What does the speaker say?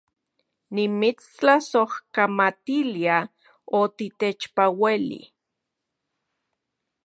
Nimitstlasojkamatilia otitechpaleui